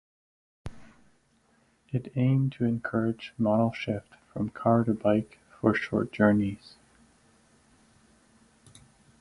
It aimed to encourage modal shift from car to bike for short journeys.